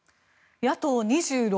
野党２６